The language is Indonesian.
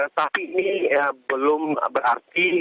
tapi ini belum berarti